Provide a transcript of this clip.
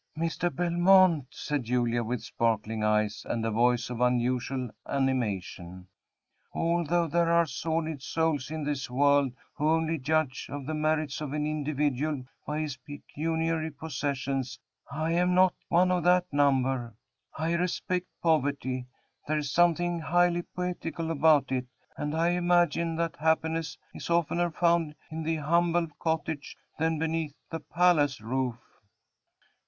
'" "Mr. Belmont," said Julia, with sparkling eyes, and a voice of unusual animation, "although there are sordid souls in this world, who only judge of the merits of an individual by his pecuniary possessions, I am not one of that number. I respect poverty; there is something highly poetical about it, and I imagine that happiness is oftener found in the humble cottage than beneath the palace roof."